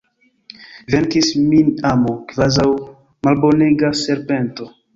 Venkis min amo, kvazaŭ malbonega serpento!